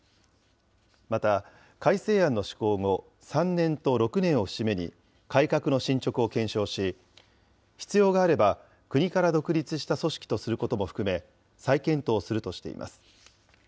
また、改正案の施行後、３年と６年を節目に、改革の進捗を検証し、必要があれば、国から独立した組織とすることも含め、再検討するとしています。